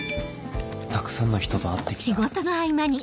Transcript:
たくさんの人と会ってきた